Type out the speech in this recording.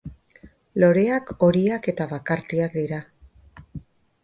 Loreak horiak eta bakartiak dira.